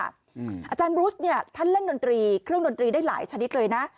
อาจารย์บรูสเนี่ยท่านเล่นดนตรีเครื่องดนตรีได้หลายชนิดเลยนะ